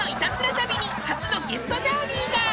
旅に初のゲストジャーニーが］